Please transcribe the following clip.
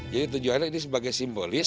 jadi tujuan ini sebagai simbolis